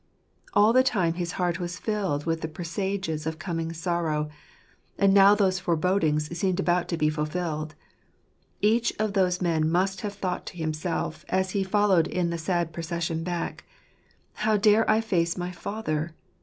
All the time his heart was filled with the presages of coming sorrow ; and now . those forebodings seemed about to be fulfilled. Each of those men must have thought to himself, as he followed in the sad procession back, " How dare I face my father?